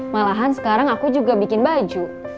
malahan sekarang aku juga bikin baju